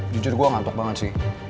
jujur gue ngantuk banget sih